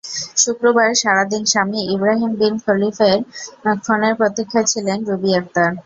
শুক্রবার সারা দিন স্বামী ইব্রাহিম বিন খলিলের ফোনের প্রতীক্ষায় ছিলেন রুবি আক্তার।